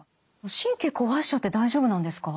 神経壊しちゃって大丈夫なんですか？